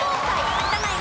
有田ナイン